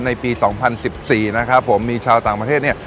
ในปีสองพันสิบสี่นะครับผมมีชาวต่างประเทศเนี้ย